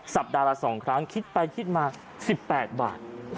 สัปดาห์ละ๒ครั้งคิดไปคิดมา๑๘บาท